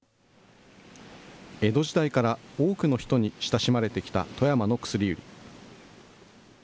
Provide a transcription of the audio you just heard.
江戸時代から多くの人に親しまれてきた富山の薬売り。